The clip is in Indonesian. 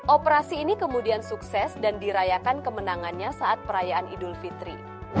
operasi ini kemudian sukses dan dirayakan kemenangannya saat perayaan idul fitri